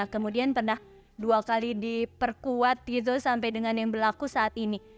kemudian pernah dua kali diperkuat gitu sampai dengan yang berlaku saat ini